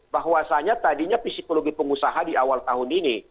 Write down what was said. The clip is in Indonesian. bahwasanya tadinya psikologi pengusaha di awal tahun ini